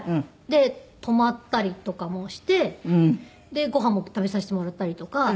で泊まったりとかもしてご飯も食べさせてもらったりとか。